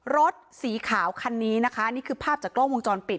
รถสีขาวคันนี้นะคะนี่คือภาพจากกล้องวงจรปิด